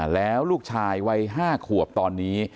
แล้วลูกชายวัย๕ขวบตอนนี้